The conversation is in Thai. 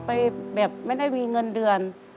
ไปแบบไม่ได้มีเงินเดือน